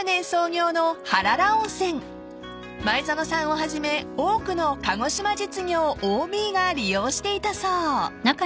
［前園さんをはじめ多くの鹿児島実業ＯＢが利用していたそう］